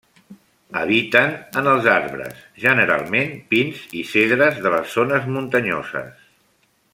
Habiten en els arbres, generalment pins i cedres, de les zones muntanyoses.